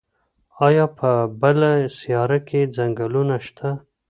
ایا په بله سیاره کې ځنګلونه شته؟